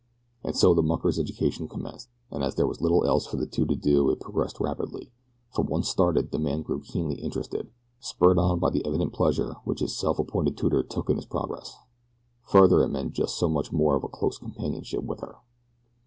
And so the mucker's education commenced, and as there was little else for the two to do it progressed rapidly, for once started the man grew keenly interested, spurred on by the evident pleasure which his self appointed tutor took in his progress further it meant just so much more of close companionship with her.